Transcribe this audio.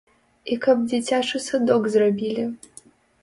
І каб дзіцячы садок зрабілі.